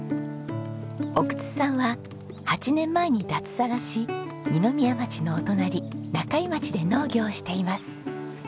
奥津さんは８年前に脱サラし二宮町のお隣中井町で農業をしています。